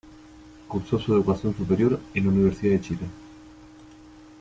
Cursó su educación superior en la Universidad de Chile.